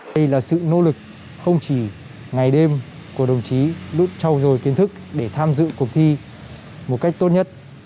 đây là sự nỗ lực không chỉ ngày đêm của đồng chí lút trâu rồi kiến thức để tham dự cuộc thi một cách tốt nhất